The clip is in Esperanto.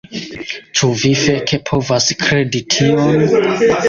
Ĉu vi feke povas kredi tion??